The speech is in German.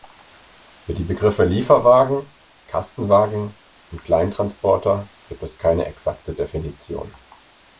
Für die Begriffe Lieferwagen, Kastenwagen und Kleintransporter gibt es keine exakte Definition.